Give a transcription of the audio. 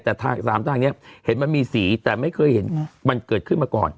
แต่ทางสามทางนี้เห็นมันมีสีแต่ไม่เคยเห็นมันเกิดขึ้นมาก่อน